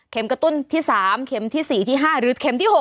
กระตุ้นที่๓เข็มที่๔ที่๕หรือเข็มที่๖